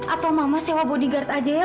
atau mama sewa bodyguard aja ya